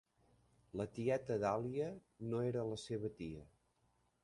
La tieta Dàlia no era la seva tia.